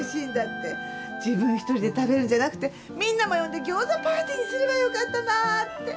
自分一人で食べるんじゃなくてみんなも呼んで餃子パーティーにすればよかったなって。